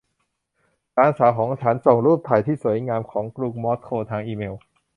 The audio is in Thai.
หลานสาวของฉันส่งรูปถ่ายที่สวยงามของกรุงมอสโกทางอีเมล